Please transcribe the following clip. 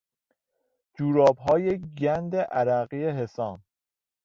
جورابهای گند عرقی حسام